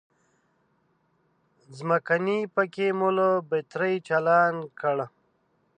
ځمکنی پکی مو له بترۍ چالان کړ.